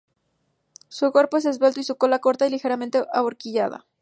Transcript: Su cuerpo es esbelto y su cola corta y ligeramente ahorquillada.